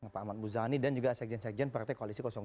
pak ahmad muzani dan juga sekjen sekjen partai koalisi dua